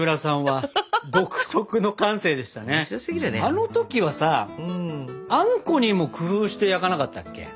あの時はさあんこにも工夫して焼かなかったっけ？